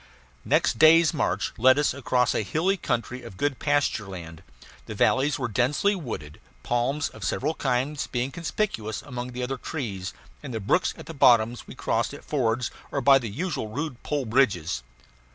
Next day's march led us across a hilly country of good pastureland. The valleys were densely wooded, palms of several kinds being conspicuous among the other trees; and the brooks at the bottoms we crossed at fords or by the usual rude pole bridges.